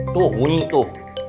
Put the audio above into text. tuh bunyi tuh